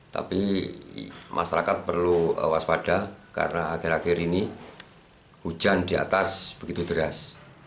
tapi masyarakat perlu waspada karena akhir akhir ini hujan di atas begitu deras